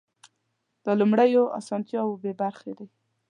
له لومړیو اسانتیاوو بې برخې دي.